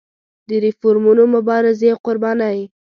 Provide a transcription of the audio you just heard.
د ریفورمونو مبارزې او قربانۍ.